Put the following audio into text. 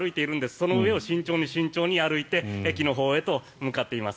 その上を慎重に慎重に歩いて駅のほうへと向かっています。